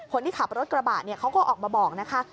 คนที่ขับรถกระบะเขาก็ออกมาบอกนะคะ